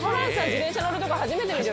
自転車乗るとこ初めて見る。